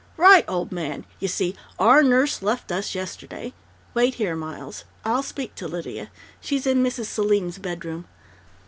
"Right, old man! You see, our nurse left us yesterday " "Wait here, Miles. I'll speak to Lydia. She's in Mrs. Selim's bedroom....